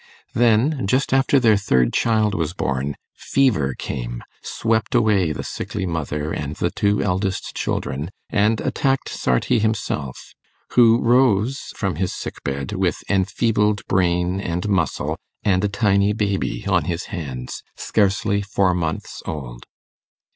Then, just after their third child was born, fever came, swept away the sickly mother and the two eldest children, and attacked Sarti himself, who rose from his sick bed with enfeebled brain and muscle, and a tiny baby on his hands, scarcely four months old.